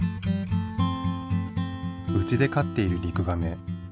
うちでかっているリクガメ。